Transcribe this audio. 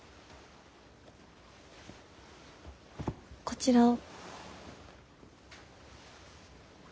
こちらを。